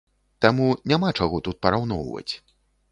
Таму няма чаго тут параўноўваць.